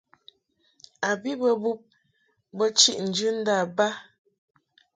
A bi bə bub bo chiʼ njɨndab ba.